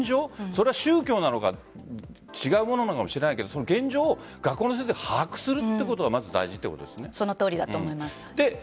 それは宗教なのか違うものなのかもしれないけど現状を学校の先生が把握するということがそのとおりだと思います。